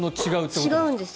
違うんですよ。